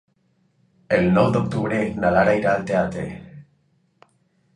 El nou d'octubre na Lara irà al teatre.